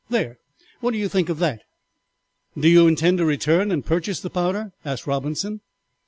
There! What do you think of that?" "Do you intend to return and purchase the powder?" asked Robinson.